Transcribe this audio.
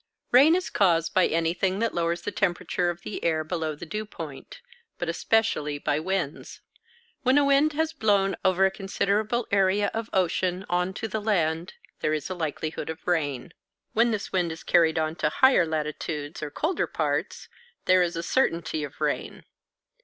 Rain is caused by anything that lowers the temperature of the air below the dew point, but especially by winds. When a wind has blown over a considerable area of ocean on to the land, there is a likelihood of rain. When this wind is carried on to higher latitudes, or colder parts, there is a certainty of rain.